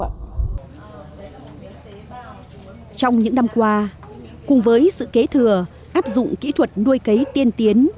trong những năm qua cùng với sự kế thừa áp dụng kỹ thuật nuôi cấy tiên tiến